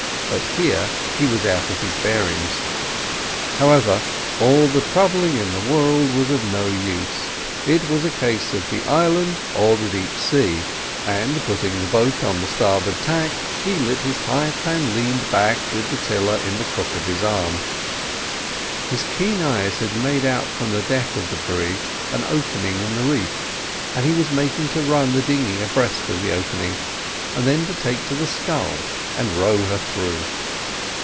But here he was out of his bearings. However, all the troubling in the world was of no use. It was a case of the island or the deep sea, and, putting the boat on the starboard tack, he lit his pipe and leaned back with the tiller in the crook of his arm. His keen eyes had made out from the deck of the brig an opening in the reef, and he was making to run the dinghy abreast of the opening, and then take to the sculls and row her through.